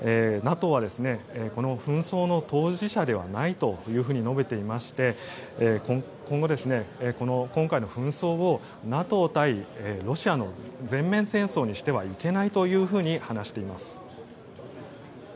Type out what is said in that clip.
ＮＡＴＯはこの紛争の当事者ではないと述べておりまして今後、今回の紛争をＮＡＴＯ対ロシアの全面戦争にしてはいけないというふうに話しています。